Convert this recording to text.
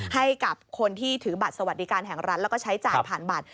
ให้กับคนที่ถือบัตรสวัสดิการแห่งรัฐแล้วก็ใช้จ่ายผ่านบัตร